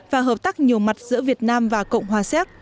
và hợp tác nhiều mặt giữa việt nam và cộng hòa séc